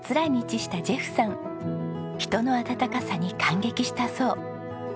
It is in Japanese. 人の温かさに感激したそう。